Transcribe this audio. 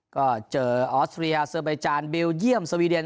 ก็เจอออสเตรียศเซอสเบรจารย์เบัลเยี่ยมสวีเดน